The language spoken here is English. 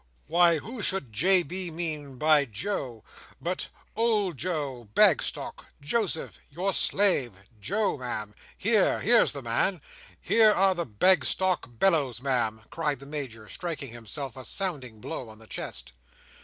"Why who should J. B. mean by Joe, but old Joe Bagstock—Joseph—your slave—Joe, Ma'am? Here! Here's the man! Here are the Bagstock bellows, Ma'am!" cried the Major, striking himself a sounding blow on the chest.